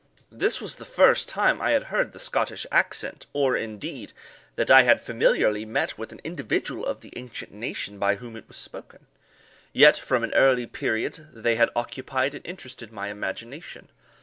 This was the first time I had heard the Scottish accent, or, indeed, that I had familiarly met with an individual of the ancient nation by whom it was spoken. Yet, from an early period, they had occupied and interested my imagination.